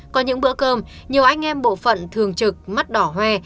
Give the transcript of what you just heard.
có những bữa cơm nhiều anh em bộ phận thường trực mắt đỏ hoe